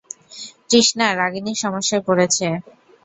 কৃষ্ণা, রাগিনী সমস্যায় পড়েছে।